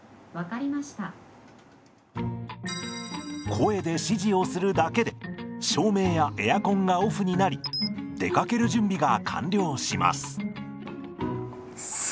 声で指示をするだけで照明やエアコンがオフになり出かける準備が完了します。